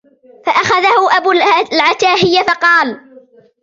فَأَخَذَهُ أَبُو الْعَتَاهِيَةِ فَقَالَ